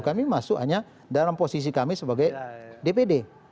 kami masuk hanya dalam posisi kami sebagai dpd